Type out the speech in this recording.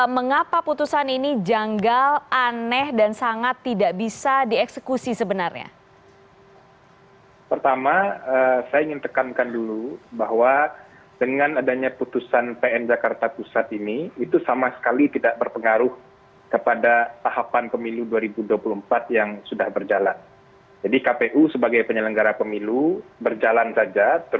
mengapa putusan ini janggal aneh dan sangat tidak bisa dieksekusi sebenarnya